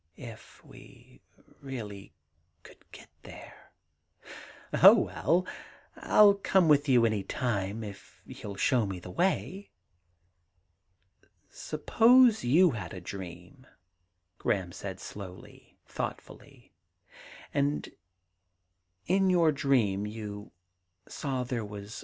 * If we really could get there 1 '* Oh, well, 1 11 come with you any time if you 11 show me the way.' * Suppose you had a dream,' Graham said slowly, thoughtfully, * and in your dream you saw there was